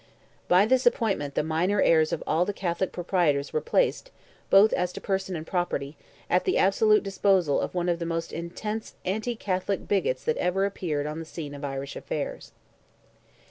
By this appointment the minor heirs of all the Catholic proprietors were placed, both as to person and property, at the absolute disposal of one of the most intense anti Catholic bigots that ever appeared on the scene of Irish affairs.